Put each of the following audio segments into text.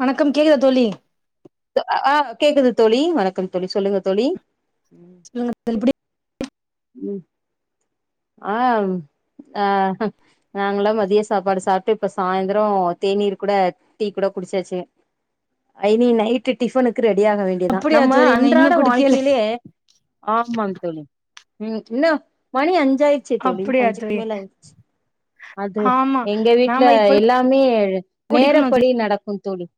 வணக்கம் கேக்குதா தோழி ஆ கேக்குது தோழி வணக்கம் தோழி சொல்லுங்க தோழி சொல்லுங்க [inaudible] எப்டி ம் ஆ ஆ நாங்களா மதிய சாப்பாடு சாப்ட்டு இப்ப சாய்ந்திரொ தேநீர் கூட டீ கூட குடிச்சாச்சு இனி நைட்டு் டிஃபனுக்கு ரெடியாக வேண்டியதா அப்படியா நம்ம தோழி நாங்க இன்னு அன்றாட குடுக்கல வாழ்க்கையிலே ஆமாங்க தோழி ம் இன்னு மணி அஞ்சாயிர்ச்சே தோழி அப்படியா அஞ்சுக்கு தோழி மேல ஆயிர்ச்சு அது ஆமா எங்க வீட்ல நாம இப்ப எல்லாமே குடிக்கணு தோழி நேரப்படி நடக்கு தோழி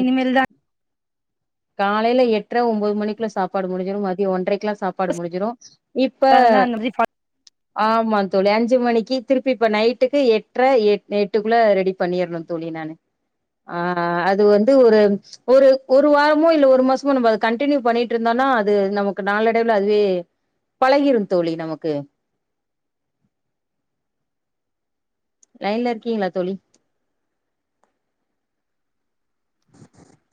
இனிமேல்தா காலைல எட்ர ஒம்போது மணிக்குள்ள சாப்பாடு முடிஞ்சுரு மதிய ஒன்றைக்குலா சாப்பாடு முடுஞ்சுரு இப்ப அதா அந்த மாதிரி பா- ஆமா தோழி அஞ்சு மணிக்கு திருப்பி இப்ப நைட்டுக்கு எட்ர எ எட்டுக்குள்ள ரெடி பண்ணிர்னு தோழி நானு ஆ அ அது வந்து ஒரு ஒரு ஒரு வார மோ இல்ல ஒரு மாசமோ நம்ம அது கண்ட்டினியூ பண்ணிட்ருந்தோன்னா அது நமக்கு நாளடைவ்ல அதுவே பழகிரு தோழி நமக்கு லைன்ல இருக்கீங்களா தோழி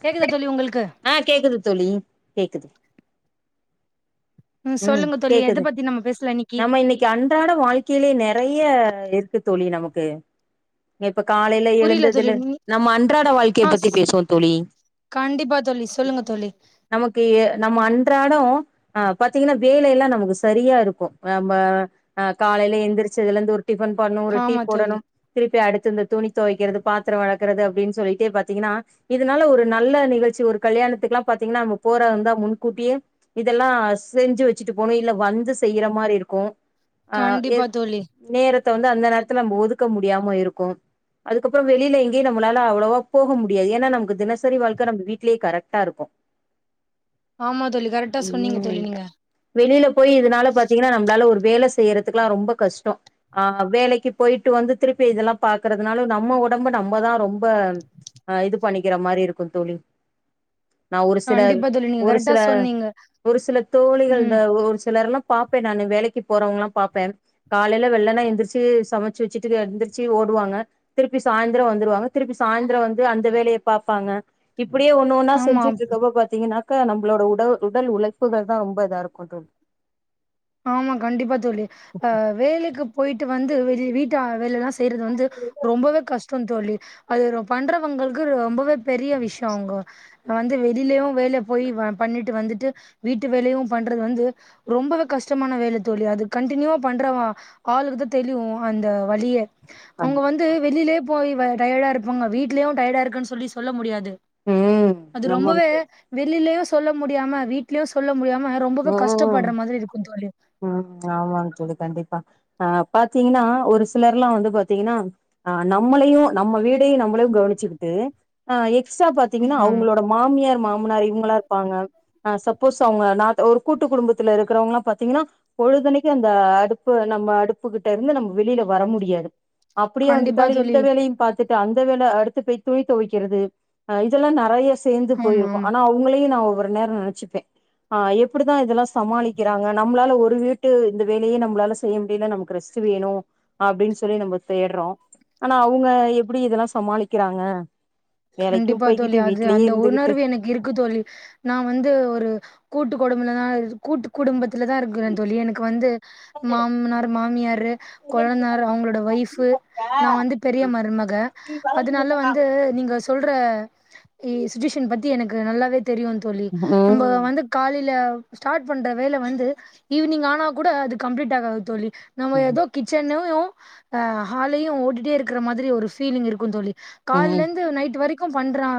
கேக்குதா தோழி உங்கள்க்கு? ஆ கேக்குது தோழி கேக்குது ம் சொல்லுங்க தோழி எத பத்தி நம்ம பேசலா இன்னக்கி நம்ம இன்னைக்கு அன்றாட வாழ்க்கைலே நெறைய இருக்கு தோழி நமக்கு த இப்ப காலைல புரியல தோழி எழுந்ததுல நீ- நம்ம அன்றாட வாழ்க்கைய ஆ பத்தி ஸ்- பேசுவோ தோழி கண்டிப்பா தோழி சொல்லுங்க ம் தோழி நமக்கு நம்ம அன்றாடோ பாத்தீங்கனா வேலையெல்லா நமக்கு சரியா இருக்கு நம்ம அ காலைல எந்திரிச்சதுலந்து ஒரு டிஃபன் பண்ணு ஒரு டீ ஆமா தோழி போடனு திருப்பி அடுத்து இந்த துணி தொவக்கிறது பாத்துரொ வெலக்கறது அப்டின் சொல்லிட்டே பாத்தீங்கனா இதுனால ஒரு நல்ல நிகழ்ச்சி ஒரு கல்யாணத்துக்லா பாத்தீங்னா நம்ம போறதாந்தா முன்கூட்டியே இதல்லா செஞ்சு வச்சுட்டு போனு இல்ல வந்து செய்யிற மாரி இருக்கு ஆ எ கண்டிப்பா தோழி நேரத்த வந்து அந்த நேரத்துல நம்ப ஒதுக்க முடியாம இருக்கு அதுக்கப்றொ வெளில எங்கயு நம்ளால அவ்ளவா போக முடியாது ஏனா நமக்கு தினசரி வாழ்க்க நம்ம வீட்லயே கரெக்டா இருக்கு ஆமா தோழி கரெக்டா சொன்னீங்க தோழி நீங்க வெளில போய் இதுனால பாத்தீங்கனா நம்ளால ஒரு வேல செய்றதுக்லா ரொம்ப கஷ்டொ ஆ வேலக்கி போயிட்டு வந்து திருப்பி இதெல்லா பாக்குறதுனால நம்ம ஒடம்ப நம்மதா ரொம்ப ஆ இது பண்ணிக்கிற மாரி இருக்கு தோழி நா ஒரு சில கண்டிப்பா தோழி நீங்க ஒரு கரெக்டா சில சொன்னீங்க ஒரு சில தோழிகள் இந்த ம் ஒரு சிலர்லா பாப்பே நானு வேலைக்கி போறவுங்கலா பாப்பே காலைல வெள்ளன எந்திரிச்சு சமச்சு வச்சுட்டு எந்திரிச்சு ஓடுவாங்க திருப்பி சாய்ந்திர வந்துருவாங்க திருப்பி சாய்ந்திர வந்து அந்த வேலைய பாப்பாங்க இப்புடியே ஒ ன்னு ஒன்னா ஆமா செஞ்சுட்ருக்கப்போ பாத்தீங்கன்னாக்க நம்பளோட உட உடல் உழைப்புகள் தா ரொம்ப இதா இருக்கு தோழி ஆமா கண்டிப்பா தோழி அ வேலக்கி போயிட்டு வந்து வெளி வீட்டா வேலல்லா செய்றது வந்து தோழி ரொம்பவே கஷ்டொ தோழி அது ரொ பண்றவங்கள்க்கு ரொம்பவே பெரிய விஷ்யோங்க நா வந்து வெளிலவு வேல‌போய் வ பண்ணிட்டு வந்துட்டு வீட்டு வேலையு பண்றது வந்து ரொம்பவே கஷ் டமான வேல தோழி அது கண்டினியூவா பண்றவ ஆளுக்குதா தெளியு அந்த வலியே கண் அவுங்க வந்து வெளியிலயே போய் வ டயர்டா இருப்பாங்க வீட்லேயு டயர்டா இருக்குன்னு சொல்லி சொல்ல முடியாது ம் அது ஆமாங் ரொம்பவே தோழி வெளிலயு சொல்ல முடியாம வீட் ட்லியு சொல்ல முடியாம ரொம்பவே ம் கஷ்டப்பட்ற மாரி இருக்கு தோழி ம் ஆமாங்க தோழி கண்டிப்பா ஆ பாத்தீங்கன்னா ஒரு சிலர்ல்லா வந்து பாத்தீங்கன்னா ஆ நம்மளையு நம்ம வீடையு நம்மளையு கவனச்சுக்கிட்டு அ எக்ஸ்ட்ரா பத் தீங்கன்னா ஆமா ஆமா அவுங்களோட மாமியார் மாமனார் இவங்களா இருப்பாங்க சப்போஸ் அவுங்க நாத் ஒரு கூட்டு குடும்பத்துல இருக்குறவங்கலா பாத்தீங்கன்னா பொழுதனைக்கி அந்த அடுப்பு நம்ம அடுப்புகிட்டருந்து நம்ம வெளிய்ல வர முடியாது அப்டியே கண்டிப்பா வந்துட்டாலு இந்த தோழி வேலையு பாத் த்துட்டு அந்த வேல அடுத்து பேய் துணி தொவைக்கிறது ஆ இதலா நறையா சேந்து ஆமா போயிருக்கு ஆமா ஆனா உங்களையு நா ஒவ்வொரு நேரோ நெனைச்சுப்பே எ ப்புடுதா இதெல்லா சமாளிக்கிறாங்க நம்ளால ஒரு வீட்டு இந்த வேலையே நம்பளால செய்ய முடியல நமக்கு ரெஸ்ட் வேணு அப்டின்னு சொல்லி நம்ம தேட்றோ ஆனா அவுங்க எப்டி இதெல்லா சமாளிக்கிறாங்க வேலைக்கு கண்டிப்பா போய்கிட்டு தோழி அது வீட்லயே அந்த இருந்துகிட்டு உணர்வு எனக்கு இருக்கு தோழி நா வந்து ஒரு கூட்டு கொடும்பலதா இருக் கூட்டு குடும்பத்துலதா இருக்குறே தோழி எனக்கு வந்து மாமனார் மாமியாரு கொழந்தானார் அவங்களோட ஒய்ஃபு நா வந்து பெரிய மருமக அதனால வந்து நீங்க சொல்ற இ சுச்சேஷன் பத்தி எனக்கு நல்லாவே தெரியு தோழி நம்போ ம் வந்து காலையில ஸ்டார்ட் பண்ற வேல வந்து ஈவினிங் ஆனா கூட அது கம்ப்ளீட் ஆகாது தோழி நம்ம ஏதோ கிச்சன்னோயோ ஆ ஹாலையு ஓட்டிட்டே இருக்கற மாதிரி ஒரு ஃபீலிங் இருக்கு தோழி ம் கால்லேநஂது நைட் வரைக்கு பண்றா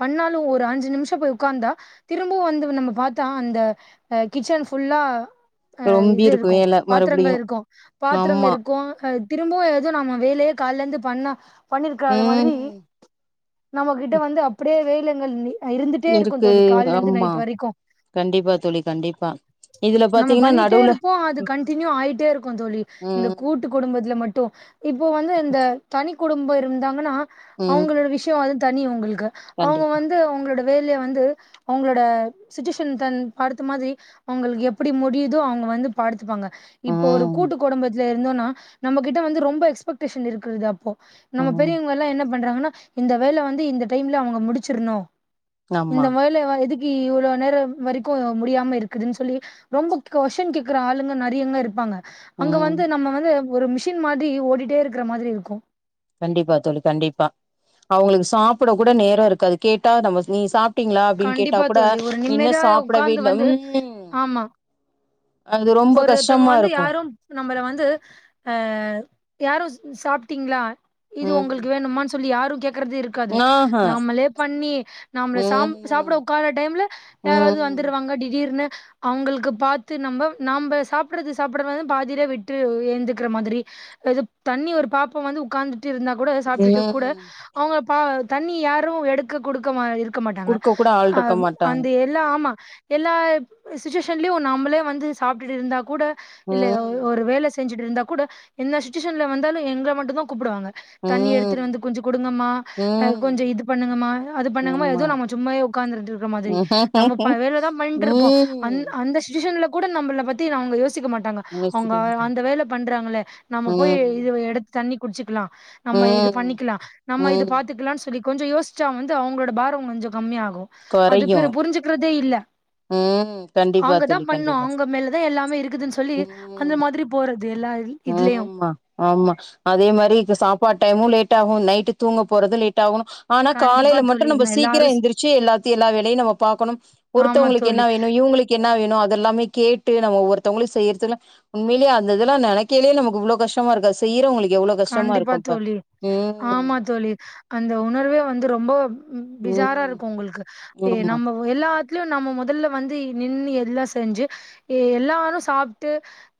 பண்ணாலு ஒரு அஞ்சு நிமிஷோ போய் உக்கார்ந்தா திரும்பவு வந்து நம்ம பாத்தா அந்த ஆ கிச்சன் ஃபுல்லா ஆ ரொம்பி இது இருக்கு வேல பாத்திரங்கள் மறுபடியு இருக்கு பாத்திரங்கள் ஆமா இருக்கு ஆ திரும்பவு எதுவு நம்ம வேலையே கால்லேருந்து பண்ணா பண்ணிருக்கறாத மாதிரி ம் நம்மகிட்ட வந்து அப்படியே வேலேங்கள் அ இருந்துட்டே இருக்கு தோழி கால்லேருந்து நைட் வரைக்கு காண்டிப்பா தோழி கண்டிப்பா இதுல நம்ம பாத்தீங்கன்னா பண்ணிட்டே நடுவுல இருப்போ அது கண்டினியூ ஆயிட்டே இருக்கு தோழி இந்த ம் கூட் டு குடும்பத்துல்ல மட்டு இப்போ வந்து இந்த தனி குடும்பம் இருந்தாங்கன்னா ம் அவுங்களோட விஷ் யோ அது தனி உங்களுக்கு அவுங்க கண்டிப்பா வந்து அவுங்களோட வேலைய வந்து அவுங்களோட சச்சிஷன் தன் பாடுத்த மாதிரி அவங்களுக்கு எப்பிடி முடியுதோ அவுங்க வந்து படுத்துப்பாங்க இப்போ ஒரு ம் கூட்டு குடும்பத்துல இருந்தோன்னா நம்மகிட்ட வந்து ரொம்ப எக்ஸ்பெக்டேஷன் இருக்குருது அப்போ நம்ம ம் பெரியவங்கல்லா என்ன பண்றாங்கன்னா இந்த வேல வந்து இந்த டைம்ல அவுங்க முடிச்சிர்ணு ஆமா இந்த வேல வ எதுக்கி இவ்ளோ நேரோ வரைக்கு முடியாம இருக்குதுன் சொல்லி ரொம்ப கொஷின் கேக்கற ஆளுங்க நறையங்க இருப்பாங்க அங்க ம் வந்து நம்ம வந்து ஒரு மிஷின் மாதிரி ஓடிட்டே இருக்கற மாதிரி இருக்கு கண்டிப்பா தோழி கண்டிப்பா அவுங்களுக்கு சாப்பிட கூட நேரோருக்காது கேட்டா நம்ம நீ சாப் ட்டீங்களா கேட்டா கண்டிப்பா கூட தோழி ஒரு இன்னு நிம்மதியா சாப்படவே உக்காந்து இல்ல வந்து ம் அது ரொம்ப ஒருவோத்தவங்க கஷ்டமா வந்து இருக்கும். யாரும் நம்மல வந்து ஆ யாரு சாப்ட்டீங்ளா இது ம் உங்களுக்கு வேணுமான் சொல்லி யாரு கேக்கறது இருக் இருக்காது ஆஹ நம்மளே பண்ணி நம்மள சாப்புட ம் உக்காற டைம்ல யாராவது ம் வந்துருவாங்க திடீர்னு அவுங்களுக்கு பாத்து நம்ம நம்ப சாப்புட்றத சாப்புட்றதா பாதியிலே விட்டு ஏந்துக்கிற மாதிரி இது தண்ணி ஒரு பாப்பா வந்து உக்காந்துட்டு இருந்தா கூட சாப்ட்டுட்டு கூட ம் அவ்ங்க பா தண்ணி யாரு எடுக்க குடுக்க மா இரு க்க மாட்டாங்க குடுக்க கூட ஆள் ஆ இருக்க மாட்டாங்க. அந்த எ இல்ல ஆமா எல்லா சுச்சுவேஷன்லயு நம்மளே வந்து சாப்ட்டுட்டு இருந்தா கூட இல்ல ம் ஒரு வேல செஞ்சுட்ருந்தா கூட எந்த சுச்சுவேஷன்ல வந்தாலு எங்கள மட்டுந்தா கூப்டுவாங்க தண்ணி எடுத்துட்டு ம் வந்து கொஞ்சொ குடுங்கம்மா அ கொஞ்சொ ம் இது பண்ணுங்கமா அது பண்ணுங்கமா ஆமா எதோ நம்ம சும்மாயே உக்காந்துட்ருக்குற மாரி நம்ம ப வேலதா பண்ணிட்ருப்போ அந் ம் அந்த சுச்சுவேஷன்ல கூட நம்மள பத்தி அவங்க யோசிக்க மாட்டாங்க அவ்ங்க முயற்சிகள். அந்த வேல பண்றாங்களே நம்ம போய் ம் இது எடுத் தண்ணி குடிச்சிக்லா நம்ம இது ம் பண்ணிக்லா நம்ம இது ம் பாத்துக்லான் சொல்லி கொஞ்சொ யோசிச்சா வந்து அவ்ங்களோட பாரொ கொஞ்சொ கம்மியாகு அது கொறையும். புரிஞ்சுக்கிறதே இல்ல ம் கண்டிப்பா தோழி கண்டிப்பா ங்க மேலதா எல்லாமே இருக்குதுன் சொல்லி அந்த ம் மாதிரி போறது எல்லா இ இதுலயு ஆமா ஆமா அதே மாரி இக சாப்பாட் டைமு லேட் ஆகு நைட்டு தூங்க போறது லேட் ஆகணு ஆனா கண்டிப்பா காலைல மட்டு தோழி நம்ப நா சீக்கிரொ எல்லாரு எந்திருச்சு எல்லாத்தையு எல்லா வேலையு நம்ம பாக்கணு ஆமா த்தவங்களுக்கு தோழி என்னா வேணு இவுங்களுக்கு என்ன வேணு அதெல்லாமே கேட்டு நம்ம ஒவ்வொருத்தங்களையு செய்யற்துக்குல உண்மைலியே அந்த இதுல்லா நெனைக்கைலயே நமக்கு இவ்ளோ கஷ்டமா இருக்கு செய்யிறவங்களுக்கு எவ்ளோ கஷ்டமா கண்டிப்பா இருக்கும்ப்ப தோழி ம் ஆமா தோழி அந்த உணர்வே வந்து ரொம்ப பெஜாரா ம் இருக்கு உங்களுக்கு ஏ ஆமா நம்ம எல்லாத்லியு நம்ம மொதல்ல வந்து நின்னு எல்லா செஞ்சு எல்லாரு சாப்ட்டு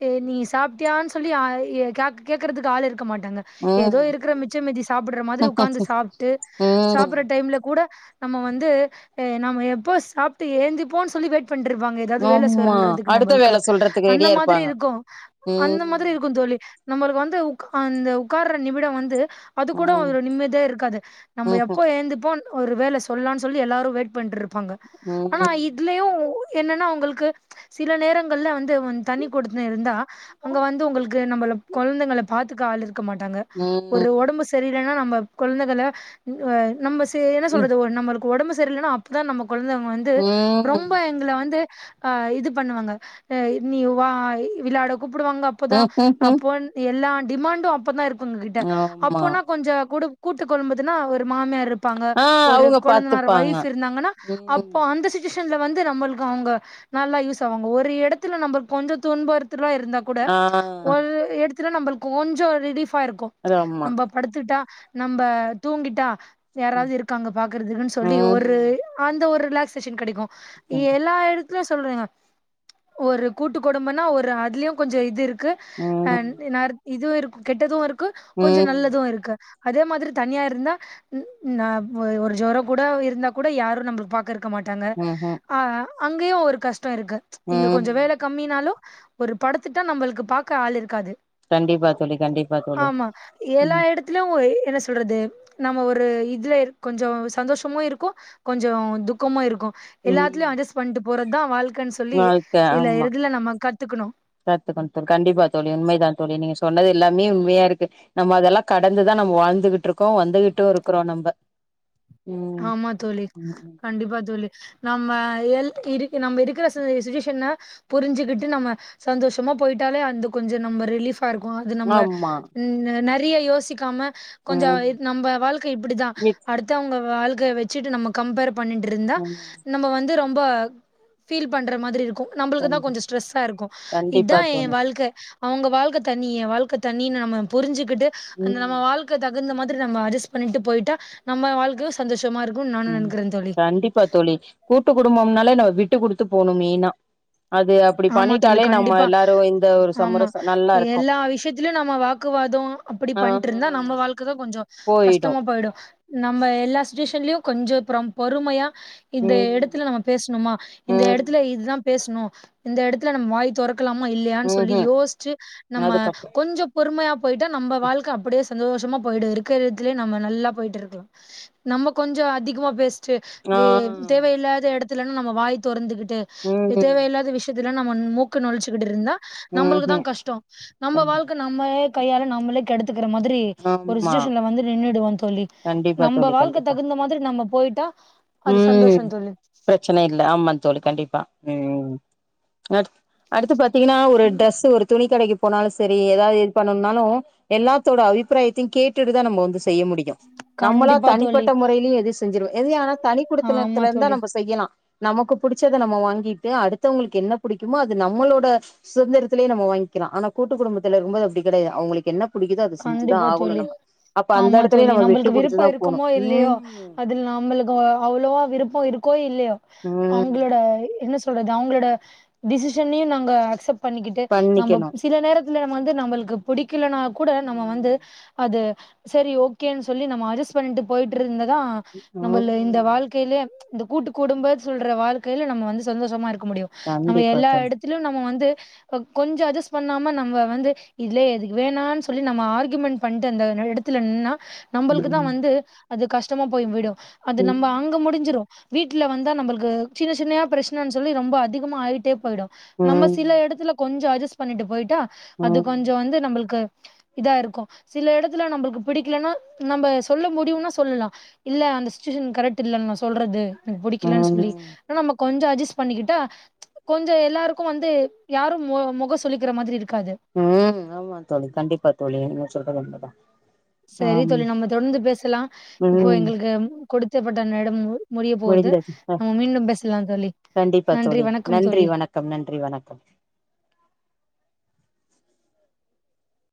எ நீ சாப்ட்டியான் சொல்லி யா எ காக் கேக்குறதுக்கு ஆள் இருக்க மாட்டாங்க ஏதோ ம் இருக்குற மிச்ச மீதி சாப்புட்ற மாதிரி உக்காந்து சாப்ட்டு ம் சாப்புர்ற டைம்லே கூட நம்ம வந்து எ நம்மோ எப்போ சாப்ட்டு ஏந்திப்போன் சொல்லி வெய்ட் பண்ருப்பாங்க ஏதாவ்து வேல ஆமா சொல்றதுக்கு அடுத்த நம்ப்ளுக்கு வேல சொல்றதுக்கு அந்த ரெடியா மாதிரி இருப்பாங்க இருக்கு அந்த மாதிரி ம் இ க்குந் தோழி நம்மளுக்கு வந்து உக்கா அந்த உக்கார்ற நிமிடொ வந்து அது கூட ம் ஒரு நிம்மதியா இருக்காது நம்ப எப்போ ஏந்திப்போ ஒரு வேல சொல்லான் சொல்லி எல்லாரு வெய்ட் பண்ணிட்ருப் ப்பாங்க ம்ஹூம் ஆனா ம் இ இதுலயு என்னன்னா அவ்ங்களுக்கு சில நேரங்கள்ல வந்து தண்ணி குடுத்துன்னு இருந்தா அங்க வந்து உங்களுக்கு நம்மள கொழந்தைங்கள பாத்துக்க ஆள் இருக்க மாட்டாங்க ஒரு ம் ஒடம்பு ச ரியில்லன்னா நம்ம கொழந்தைகள ஏ நம்ம செ என்ன ம் சொல்றது நம்ம ஒடம்பு சரியில்லன்னா அப்பதா நம்ம கொழந்த வந்து ரொம்ப ம் எங்கள வந்து ஆ இது பண்ணுவாங்க அ நீ வா விளாட கூப்டுவாங்க அப்போதா ம்ஹ்ஹும் அப்போன் எல்லா டிமாண்டு அப்பதா இருக்கு எங்கக்கிட்ட ஆமா அப்போனா கொஞ்சொ கூடு கூட்டுக் குடும்பத்துனா ஒரு மாமியார் இருப் பாங்க ஆ ஒரு அவுங்க கொழந்தனார் பாத்துப்பாங்க வைஃப் இருந்தாங்கன்னா ம் அப்போ அந்த சி ச்சிவேஷன்ல வந்து நம்ளுக்கு அவ்ங்க நல்லா யூஸ் ஆவாங்க ஒரு எடத்துல நம்ப கொஞ்சொ துன்பறுத்துரா இருந்தா கூட ஆ ஒல் எடத்துல நம்பளுக்கு கொஞ்சொ ரிலீஃபா இருக்கு அது ஆமா நம்ப படுத்துட்டா நம்ப தூங்கிட்டா யாராவ்து இருக்காங்க பாக்குறதுக்குன் சொல்லி ஒரு ம் அந்த ஒரு ரிலாக்சேஷன் கெடைக்கு ம் எல்லா எடத் சொல்றங்க ஒரு கூட்டு குடும்பொன்னா ஒரு அதுலியு கொஞ்சொ இது இரு க்கு அ ம் நார் இதுவு இருக்கு கெட்டது இருக்கு கொஞ்சொ ம். நல்லது இருக்கு அதே மாதிரி தனியா இருந்தா நா ஒ ஒரு ஜொரொங் கூட இருந்தா கூட யாரு நம்ப்ள பாக் கற்க்க மாட்டாங்க ம்ஹ்ம் ஆ அங்கயு ஒரு கஷ்டொ இருக்கு இங்க ம் கொஞ்சொ வேல கம்மினாலு ஒரு படுத்துட்டா நம்பள்க்கு பாக்க ஆள் இருக்காது கண்டிப்பா தோழி கண்டி ஆமா எல்லா எடுத் இதுல ஒரு என்ன சொல்றது நம்ம ஒரு இதுல கொஞ்சோ சந்தோஷமு இருக்கு கொஞ்சோ துக்கமு இருக்கு ம் எல்லாத்துலயு அட்ஜஸ்ட் பண்ணிட்டு போறதுதா வாழ்க்கைன்னு சொல்லி வாழ்க்க சில இதுல நம்ம கத்துக்கணு கத்துக்கனு தோழி கண்டிப்பா தோழி உண்மை தான் தோழி நீங்க சொன்னது எல்லாமே உண்மையாருக்கு நம்ம அதெல்லா கடந்துதா நம்ம வாழ்ந்துகிட்ருக்கோ வந்துகிட்டுருக்கிறோ நம்ப ம் ஆமா தோழி ம் கண்டிப்பா தோழி நம்ம எல் இரு நம்ம இருக்கிற சுச்சுவேஷனு புரிஞ்சுக்குட்டு நம்ம சந்தோஷமா போய்ட்டாலே அந்த கொஞ்சோ நம்ம ரிலீஃப் பா இருக்கு அது நம்ம ஆமா நெறைய யோசிக்காம கொஞ்சோ ம் இ நம்ப வாழ்க்கை இப்டிதா வித் அடுத்தவங்க வாழ்க்க வச்சுட்டு நம்ம கம்பேர் பண்ணிட்ருந்தா ம் நம்ம வந்து ரொம்ப ஃபீல் பண்ற மாதிரி இருக்கு நம்மளுக்கு தா கண் கொஞ்சோ ஸ்ட்ரெஸ்ஸா இருக்கு இதா கண்டிப்பா ஏ தோணு வாழ்க்க அவுங்க வாழ்க்க தனி ஏ வாழ்க்க தனின்னு நம்ம புரிஞ்சுக்கிட்டு அந்த ம் நம்ம வாழ்க்க தக் குந்த மாதிரி நம்ம அட்ஜஸ்ட் பண்ணிட்டு போய்ட்டா நம்ம வாழ்கைய சந்தோஷமாருக்கு நம் ம் கண்டிப்பா தோழி கூட்டு குடும்பம்னாலே நம்ம வுட்டு குடுத்து போணு மெயினா அது அப்டி ஆமா தோழி பண்ணிட்டாலே நம்ம கண்டிப்பா எல்லாரு இந்த ஒரு ஆமா சமரச நல்லா இருக்கு எல்லா விஷயத்திலயு நம்ம வாக்குவாதோ அப்டி ஆ பண்ணிட்ருந்தா நம்ம வாழ்க்கைதா கொஞ்சோ போயிடு கஷ்டமா போய்டு நம்ம எல்லா சுச்சுவேஷன்லயு கொஞ்சோ அப்புறம் பொறுமையா இந்த ம் எடத்துல நம்ம பேசணுமா இந்த ம் எடத்துல இதுதா பேசணு இந்த எடத்துல நம்ம வாய் தொரக்க லாமா இல்லயான்னு சொல்லி ம்ஹும் யோசிச்சு நம்ம அதுக்கப்றோ கொஞ்சோ பொறுமையா போய்ட்டா நம்ம வாழ்க்க அப்டியே சந்தோஷமா போய்ட்டு இருக்கிற எடதுத்துலேயே நம்ம நல்லா போய்ட்டு இருக்கலா நம்ம கொஞ்சோ அதிகமா பேஸ் சி ஆ வே தேவயில்லாத இடத்துலன்னா நம்ம வாய் தொறந்துகிட்டு ம் தேவயில்லாத விஷ் நம்ம மூக்க நொழிச்சுக்கிட்டுருந்தா நம்மளுக்கு தா ம்ஹும் கஷ்டோ நம்ம வாழ்க்க நம்மளே கையால நம்மளே கெடுத்துக்கிற மாதிரி ஒரு ஆமா சுச்சுவேஷன்ல வந்து நின்னுடுவோ தோழி கண்டிப்பா நம்ம தோழி வாழ்க்க கண்டிப்பா தகுந்த மாதிரி நம்ம போய்ட்டா ம் பிரச்சன இல்ல ஆமா தோழி கண்டிப்பா ம் அடுத் அடுத்து பாத்தீங்கன்னா ஒரு டிரெஸ் ஒரு துணி கடைக்கி போனாலு செரி ஏதாது இது பண்ணுனாலு எல்லாத்தோட அபிப்பிராயத்தயு கேட்டுட்டு தா நம்ம வந்து செய்ய முடியு நம்மளா கண்டிப்பா தோழி தனிப்பட்ட முறைலயு எது செஞ்சிருவோ இது ஆனா தனி ஆமா குடுத்தனுல இருந்தா தோழி நம்ம செய்யலா நமக்கு புடிச்சத நம்ம வாங்கிட்டு அடுத்தவங்களுக்கு என்ன பிடிக்குமோ அது நம்மளோட சுதந்திரத்திலே நம்ம வாங்கிக்கிகளா ஆனா கூட்டு குடும்பத்து இருக்கும்போது அப்டி கெடையாது அவுங்களுக்கு என்ன புடிக்குதோ அத செஞ்சுதா கண்டிப்பா ஆகணு தோழி நம்ப அப்ப அந்த ஆமா இடத்துலயு தோழி நம்ம வுட்டு நம்மளுக்கு விருப்போ குடுத்துதா போனு அவ்ளோவா விருப்பம் இருக்கோ இல்லயோ உ அவுங்களோட என்ன சொல்றது அவுங்களோட டிசிஷனயு நாங்க அக்சப்ட் பண்ணிக்கிட்டு நம்ப பண்ணிக்கணு சில நேரத்துல நம்ம வந்து நம்ளுக்கு பிடிக்கலனா கூட நம்ம வந்து ஆமா அது செரி ஓகேன்னு சொல்லி நம்ம அட்ஜஸ்ட் பண்ணிட்டு போய்ட்டுருந்தாதா நம்மள இந்த ம் வாழ் க்கைல இந்த கூட்டு குடும்ப சொல்ற வாழ்க்கைல நம்ம வந்து சந்தோஷமா இருக்க முடியு நம்ம கண்டிப்பா எல்லா தோழி எடத்து லயு நம்ம வந்து கொஞ்சோ அட்ஜ் பண்ணாம நம்ம வந்து இதுலே எதுக்கு வேணானு சொ சொல்லி நம்ம ஆர்க்யுமெண்ட் பண்ணிட்டு அந்த எடத்துல நின்னா நம்ளுக்குதா ம் வந்து அது கஷ்டமா போய் விடு அது ம் நம்ம அங்க முடிஞ்சிரு வீட்ல வந்தா நம்மளுக்கு சின்ன சின்னையா பிரச் சனன்னு சொல்லி ரொம்ப அதிகமா ஆயிட்டே போயிடு நம்ம ம் சில எடத்துல கொஞ்சோ அட்ஜஸ் பண்ணிட்டு போயிட்டா ம் அது ம் கொஞ்சோ வந்து நம்மளுக்கு இதா இருக்கு சில எடத்துல நம்மளுக்கு பிடிக்கலன்னா நம்ம சொல்ல முடியுன்னா சொல்லலா இல்ல அந்த சுச்சுவேஷன் கரெக்ட் இல்ல நா சொல்றது எனக்கு பிடிக்கலன்னு சொல்லி ஆனா நம்ம கொஞ்சோ அட்ஜஸ்ட் பண்ணிக்கிட்டா கொஞ்சோ எல்லாருக்கு வந்து யாரு மொகோ சுழிக்கிற மாதிரி இருக்காது ம் ஆமா தோழி கண்டிப்பா தோழி நீங்க சொல்றது உண்மதா சரி ஆம் தோழி நம்ம தொடர்ந்து பேசலா இப்போ ம் எங்களுக்கு கொடுத்தப்பட்ட நேரம் முடிய போது முடிந்தது அ, நம்ம மீண்டும் பேசலா தோழி நன்றி வணக்கம் தோழி ரொம்ப நன்றி வணக்கம்